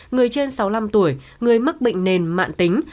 người trên sáu mươi năm tuổi người mắc bệnh nền mạng tính